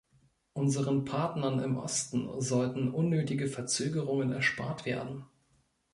Unseren Partnern im Osten sollten unnötige Verzögerungen erspart werden.